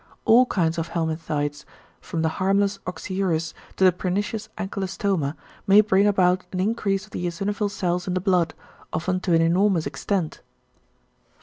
All kinds of Helminthides, from the harmless Oxyuris to the pernicious Ankylostoma, may bring about an increase of the eosinophil cells in the blood, often to an enormous extent.